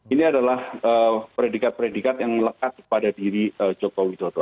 ini adalah predikat predikat yang melekat pada diri jokowi dodo